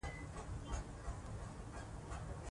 خپل تولیدات بهر ته واستوئ.